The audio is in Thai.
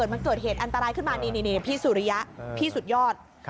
มันเกิดเหตุอันตรายขึ้นมาเดี๋ยวพี่สุดยอด